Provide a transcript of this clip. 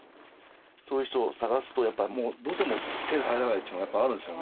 そういう人探すとやっぱりもうどうしても手に入らないっちゅうのがやっぱあるんですよね。